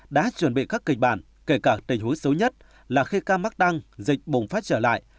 đã chuẩn bị các kịch bản kể cả tình huống xấu nhất là khi ca mắc đang dịch bùng phát trở lại